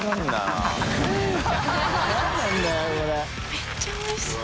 めっちゃおいしそう。